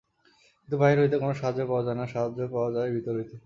কিন্তু বাহির হইতে কোন সাহায্য পাওয়া যায় না, সাহায্য পাওয়া যায় ভিতর হইতে।